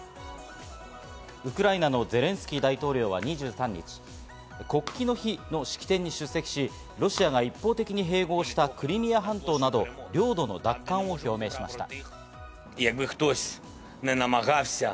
ウクライナのゼレンスキー大統領は２３日、国旗の日の式典に出席し、ロシアが一方的に併合したクリミア半島など領土の奪還を表明しました。